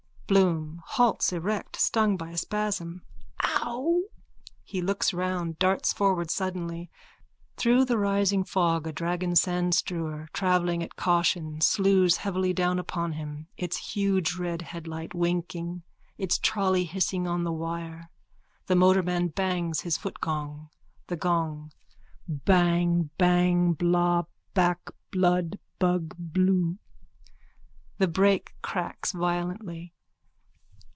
BLOOM: (Halts erect, stung by a spasm.) Ow! _(He looks round, darts forward suddenly. Through rising fog a dragon sandstrewer, travelling at caution, slews heavily down upon him, its huge red headlight winking, its trolley hissing on the wire. The motorman bangs his footgong.)_ THE GONG: Bang Bang Bla Bak Blud Bugg Bloo. _(The brake cracks violently.